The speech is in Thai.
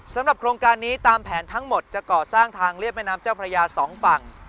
โครงการนี้ตามแผนทั้งหมดจะก่อสร้างทางเรียบแม่น้ำเจ้าพระยาสองฝั่ง